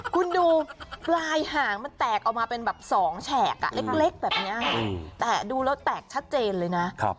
คุณดูปลายหางมันแตกออกมาเป็นแบบ๒แฉกเล็กแบบนี้แต่ดูแล้วแตกชัดเจนเลยนะ